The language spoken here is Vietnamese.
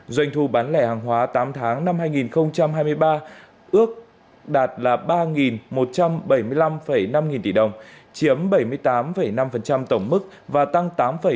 doanh thu bán lẻ hàng hóa tám tháng năm hai nghìn hai mươi ba ước đạt ba một trăm bảy mươi năm năm nghìn tỷ đồng chiếm bảy mươi tám năm tổng mức và tăng tám bảy